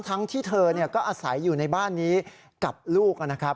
ทั้งที่เธอก็อาศัยอยู่ในบ้านนี้กับลูกนะครับ